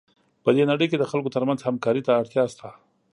په دې نړۍ کې د خلکو ترمنځ همکارۍ ته اړتیا شته.